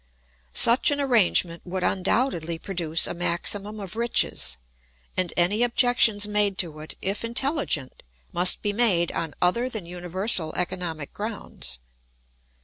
Such an arrangement would undoubtedly produce a maximum of riches, and any objections made to it, if intelligent, must be made on other than universal economic grounds.